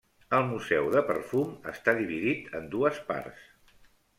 El Museu de Perfum està dividit en dues parts.